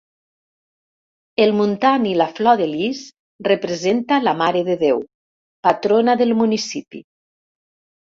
El muntant i la flor de lis representa la Mare de Déu, patrona del municipi.